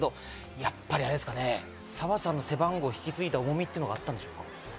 やっぱりあれですかね、澤さんの背番号を引き継いだ重みってあったんでしょうかね。